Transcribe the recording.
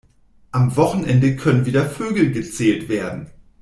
Am Wochenende können wieder Vögel gezählt werden.